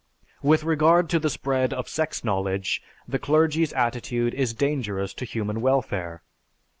With regard to the spread of sex knowledge, the clergy's attitude is dangerous to human welfare.